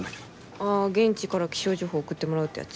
ああ現地から気象情報送ってもらうってやつ？